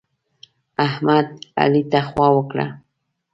احمد؛ علي ته خوا ورکړه.